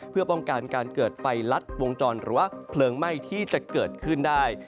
เพื่อป้องกันการเกิดไฟลัดวงจรหรือว่าเพลิงไหม้ที่จะเกิดขึ้นได้